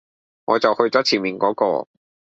我就去左前面果個